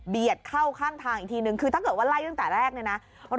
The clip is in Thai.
เข้าข้างทางอีกทีนึงคือถ้าเกิดว่าไล่ตั้งแต่แรกเนี่ยนะ